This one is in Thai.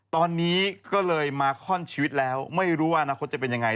ตอนนี้ก็เลยมาข้อนชีวิตแล้วไม่รู้ว่าอนาคตจะเป็นยังไง